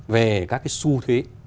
về các cái xu thế